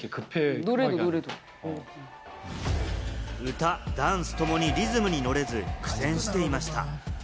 歌・ダンスともにリズムに乗れず、苦戦していました。